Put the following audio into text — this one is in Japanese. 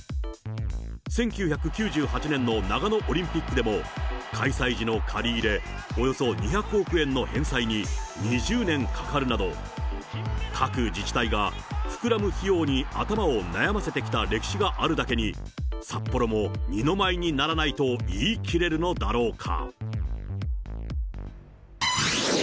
１９９８年の長野オリンピックでも、開催時の借り入れ、およそ２００億円の返済に、２０年かかるなど、各自治体が膨らむ費用に頭を悩ませてきた歴史があるだけに、札幌も二の舞にならないと言い切れるのだろうか。